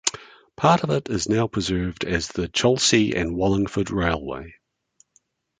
Part of it is now preserved as the Cholsey and Wallingford Railway.